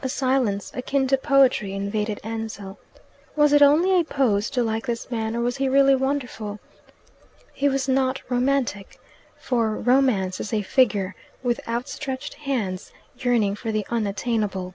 A silence, akin to poetry, invaded Ansell. Was it only a pose to like this man, or was he really wonderful? He was not romantic, for Romance is a figure with outstretched hands, yearning for the unattainable.